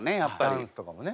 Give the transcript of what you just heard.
ダンスとかもね。